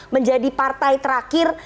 menjadi partai terakhir